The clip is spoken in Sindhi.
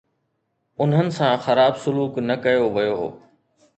انهن سان خراب سلوڪ نه ڪيو ويو.